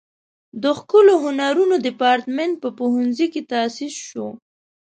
د ښکلو هنرونو دیپارتمنټ په پوهنځي کې تاسیس شو.